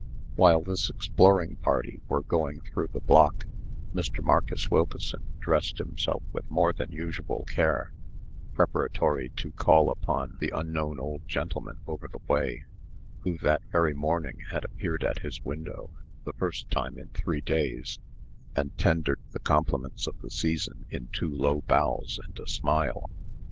While this exploring party were going through the block, Mr. Marcus Wilkeson dressed himself with more than usual care, preparatory to a call upon the unknown old gentleman over the way, who that very morning had appeared at his window, the first time in three days, and tendered the compliments of the season in two low bows and a smile.